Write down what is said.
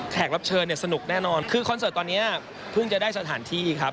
รับเชิญเนี่ยสนุกแน่นอนคือคอนเสิร์ตตอนนี้เพิ่งจะได้สถานที่ครับ